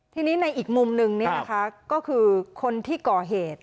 ทีนี้ในอีกมุมนึงก็คือคนที่ก่อเหตุ